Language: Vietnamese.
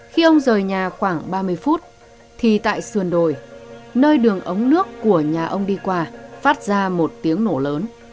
khi ông rời nhà khoảng ba mươi phút thì tại sườn đồi nơi đường ống nước của nhà ông đi qua phát ra một tiếng nổ lớn